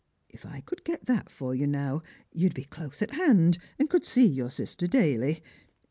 If I could get that for you now, you would be close at hand, and could see your sister daily.